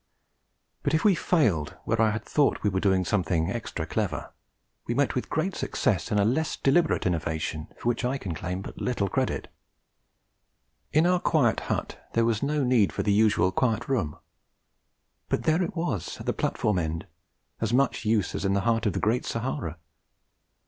But if we failed where I had thought we were doing something extra clever, we met with great success in a less deliberate innovation for which I can claim but little credit. In our quiet hut there was no need for the usual Quiet Room; but there it was, at the platform end, as much use as in the heart of the Great Sahara.